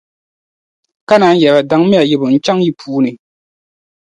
Ka naan yεra, daŋmi ya yibu n-chaŋ yi puuni.